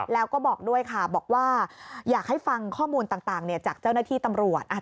แล้วก็บอกด้วยค่ะบอกว่าอยากให้ฟังข้อมูลต่างจากเจ้าหน้าที่ตำรวจ